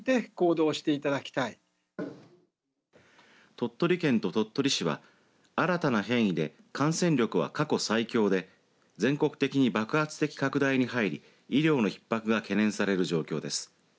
鳥取県と鳥取市は新たな変異で感染力は過去最強で全国的に爆発的拡大に入り医療のひっ迫が懸念される状況です。